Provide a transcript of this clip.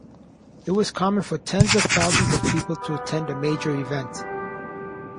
It was common for tens of thousands of people to attend a major event.